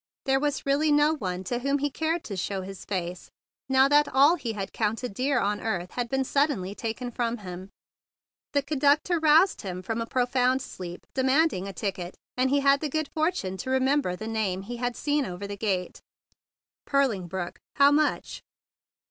There was really no one to whom he cared to show his face, now that all he had counted dear on earth had been suddenly taken from him. The conductor roused him from a 32 THE BIG BLUE SOLDIER profound sleep, demanding a ticket, and he had the good fortune to remem¬ ber the name he had seen over the gate: "Purling Brook. How much?"